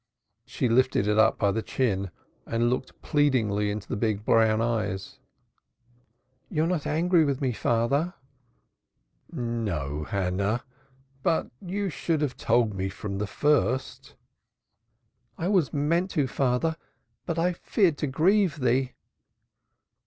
She lifted it up by the chin and looked pleadingly into the big brown eyes. "Thou art not angry with me, father?" "No, Hannah. But thou shouldst have told me from the first." "I always meant to, father. But I feared to grieve thee."